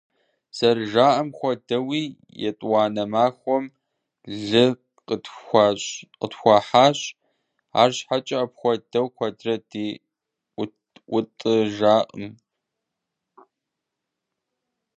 ЗэрыжаӀам хуэдэуи, етӀуанэ махуэм лы къытхуахьащ, арщхьэкӀэ апхуэдэу куэдрэ ди ӀутӀыжакъым.